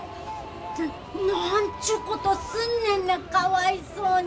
な何ちゅうことすんねんなかわいそうに。